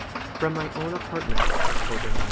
From my own Apartment, October 19.